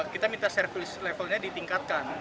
kita minta service levelnya ditingkatkan